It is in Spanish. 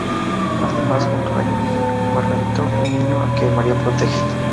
Además junto a ella vive Margarito, un niño al que María protege.